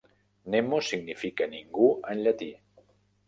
"Nemo" significa "ningú" en llatí.